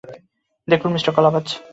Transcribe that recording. দেখুন, মিস্টার গলাবাজ!